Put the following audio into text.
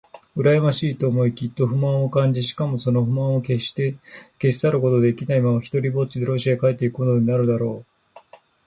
うらやましいと思い、きっと不満を感じ、しかもその不満をけっして消し去ることもできないままに、ひとりぽっちでロシアへ帰っていくことになるだろう。